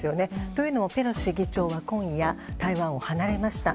というのもペロシ議長は今夜、台湾を離れました。